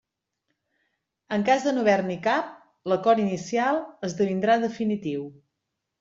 En cas de no haver-n'hi cap, l'acord inicial esdevindrà definitiu.